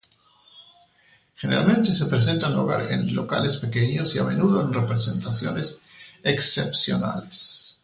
Generalmente se presenta en locales pequeños y, a menudo, en representaciones excepcionales.